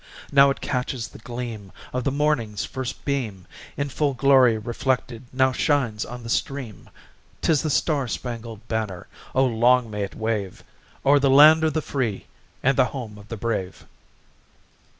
Now it catches the gleam of the morning's first beam, In full glory reflected now shines on the stream; 'Tis the star spangled banner; O long may it wave O'er the land of the free, and the home of the brave!